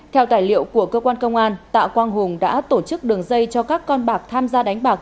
theo tài liệu của cơ quan công an tạ quang hùng đã tổ chức đường dây cho các con bạc tham gia đánh bạc